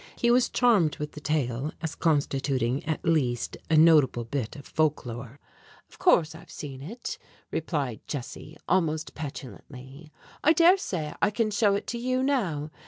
He was charmed with the tale as constituting at least a notable bit of folk lore. "Of course I've seen it," replied Jessie, almost petulantly. "I dare say I can show it to you now.